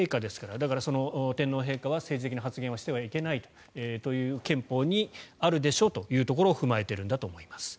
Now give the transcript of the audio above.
だから、天皇陛下は政治的な発言はしてはいけないというのが憲法にもあるでしょというのを踏まえているんだと思います。